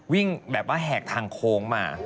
วิ่งแบบว่าแหกทางโค้งมา